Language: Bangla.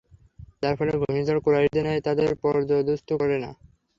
যার ফলে ঘূর্ণিঝড় কুরাইশদের ন্যায় তাদের পর্যদুস্ত করে না।